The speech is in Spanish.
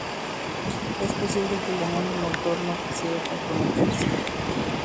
Es posible que el anónimo autor no quisiera comprometerse.